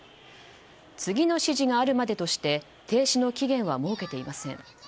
次の指示があるまでとして停止の期限は設けていません。